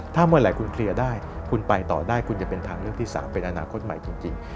ถ้าเมื่อไหร่คุณเคลียร์ได้คุณไปต่อได้คุณจะเป็นทางเลือกที่๓เป็นอนาคตใหม่จริง